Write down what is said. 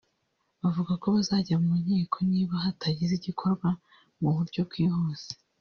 bavuga ko bazajya mu nkiko niba hatagize igikorwa mu buryo bwihuse